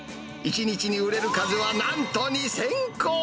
１日に売れる数はなんと２０００個。